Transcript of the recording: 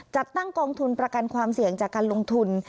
จัดตั้งกองทุนประกันความเสี่ยงจากการลงทุน